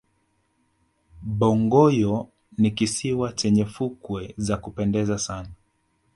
bongoyo ni kisiwa chenye fukwe za kupendeza sana